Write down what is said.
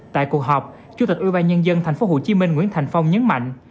tại cuộc họp chủ tịch ủy ban nhân dân tp hcm nguyễn thành phong nhấn mạnh